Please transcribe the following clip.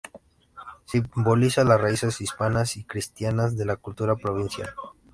Simboliza las raíces hispanas y cristianas de la cultura provincial.